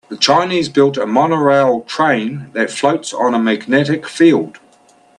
The Chinese built a monorail train that floats on a magnetic field.